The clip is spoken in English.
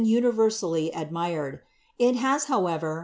^T^ ijniversally admired. It has, honever.